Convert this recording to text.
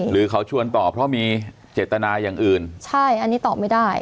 หรือเขาชวนต่อเพราะมีเจตนาอย่างอื่นใช่อันนี้ตอบไม่ได้